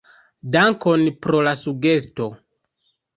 Dankon pro la sugesto.